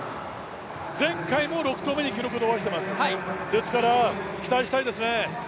前回も６投目に記録を伸ばしてますですから期待したいですね。